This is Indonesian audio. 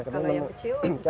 kalau yang kecil